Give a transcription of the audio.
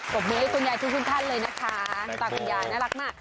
กรบมือให้คุณยายชุดชุดท่านเลยนะคะ